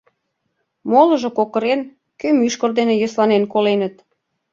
Молыжо кокырен, кӧ мӱшкыр дене йӧсланен коленыт.